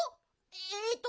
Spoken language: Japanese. えっと